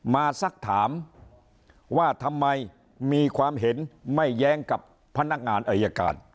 สักถามว่าทำไมมีความเห็นไม่แย้งกับพนักงานอายการ